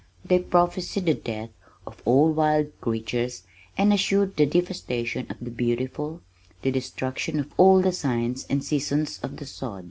They prophesied the death of all wild creatures and assured the devastation of the beautiful, the destruction of all the signs and seasons of the sod.